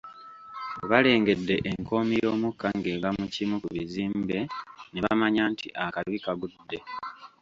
Balengedde enkoomi y’omukka ng’eva mu kimu ku bizimbe ne bamanya nti akabi kagudde.